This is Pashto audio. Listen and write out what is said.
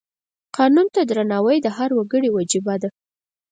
قانون ته درناوی د هر وګړي وجیبه ده.